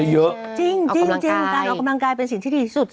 ออกกำลังกายจริงการออกกำลังกายเป็นสิ่งที่ดีสุด